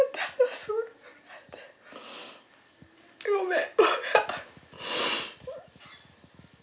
ごめん。